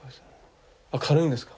あ軽いんですか。